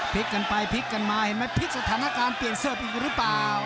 กันไปพลิกกันมาเห็นไหมพลิกสถานการณ์เปลี่ยนเสิร์ฟอีกหรือเปล่า